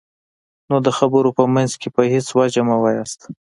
نو د خبرو په منځ کې په هېڅ وجه مه وایئ.